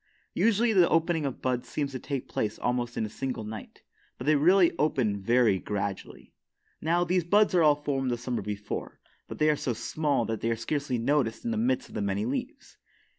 Usually, the opening of buds seems to take place almost in a single night, but they really open very gradually. Now, these buds are all formed the summer before, but they are so small that they are scarcely noticed in the midst of the many leaves.